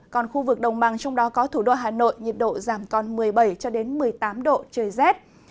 còn khu vực đồng bằng trong đó có thủ đô hà nội nhiệt độ giảm còn một mươi bảy một mươi tám độ trời rét